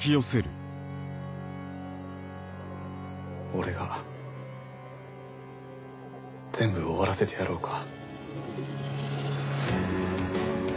俺が全部終わらせてやろうか？